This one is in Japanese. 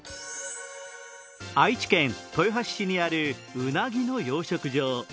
愛知県豊橋市にあるうなぎの養殖場。